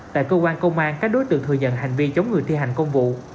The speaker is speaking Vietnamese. tại cơ quan công an các đối tượng thừa nhận hành vi chống người thi hành công vụ